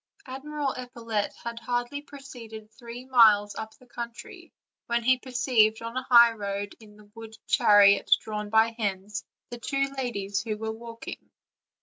Admiral Epaulette had hardly proceeded three miles up the country, when he perceived on a highroad in the wood the chariot drawn by hens, and the two ladies who were walking.